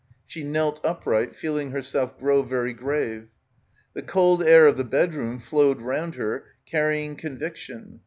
She knelt upright, feeling herself grow very grave. The cold air of the bed room flowed round her carrying conviction.